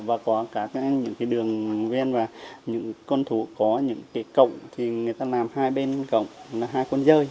và có các những cái đường ven và những con thú có những cái cổng thì người ta làm hai bên cổng là hai con rơi